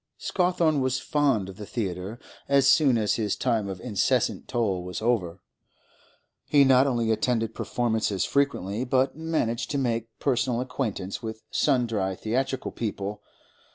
Scawthorne was fond of the theatre; as soon as his time of incessant toll was over, he not only attended performances frequently, but managed to make personal acquaintance with sundry theatrical people.